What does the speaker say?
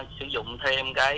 sử dụng thêm cái